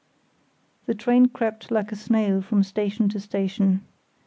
The train crept like a snail from station to station.